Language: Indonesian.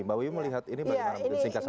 mbak wibi melihat ini bagaimana